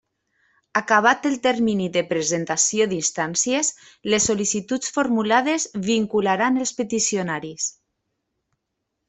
Acabat el termini de presentació d'instàncies, les sol·licituds formulades vincularan els peticionaris.